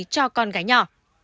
cho con gái nhỏ